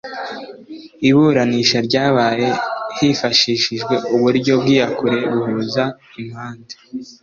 Iburanisha ryabaye hifashishijwe uburyo bw’iyakure buhuza impande